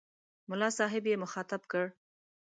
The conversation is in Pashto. ملا صاحب یې مخاطب کړ.